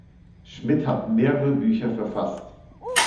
Schmidt hat mehrere Bücher verfasst.